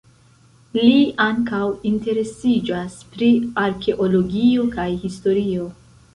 Li ankaŭ interesiĝas pri arkeologio kaj historio.